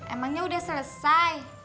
emangnya udah selesai